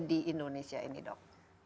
di indonesia ini dok